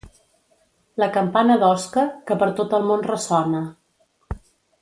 La campana d'Osca, que per tot el món ressona.